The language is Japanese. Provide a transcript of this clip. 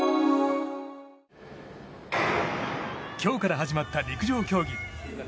今日から始まった陸上競技。